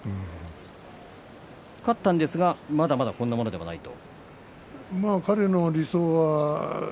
勝ったんですがまだまだ、こんなものではないと。